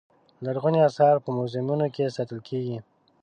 لرغوني اثار په موزیمونو کې ساتل کېږي.